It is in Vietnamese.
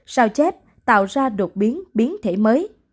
sao chép tạo ra đột biến biến thể mới